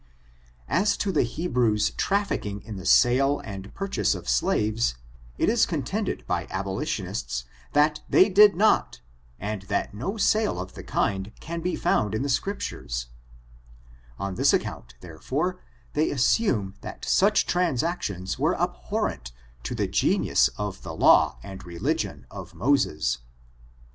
As to the Hebrews trafficking in the sale and pur I ^»^»^»^^^ ^^N^k^^^k^ I 140 ORIGIN, CHABACTEit, AXt> I ^' I chase of slaves, it is contended by abolitionists that they did not, and that no sale of the kind can be found in the Scriptures. On this account, therefore, they assume that such transactions were abhorrent to Uie genius of the law and religion of Moses.